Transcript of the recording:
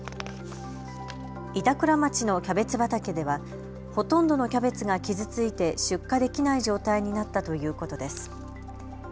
板倉町のキャベツ畑ではほとんどのキャベツが傷ついて出荷できない状態になったということです。